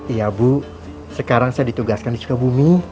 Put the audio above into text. iya bu sekarang saya ditugaskan di sukabumi